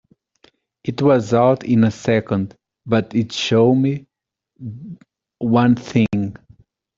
It was out in a second, but it showed me one thing.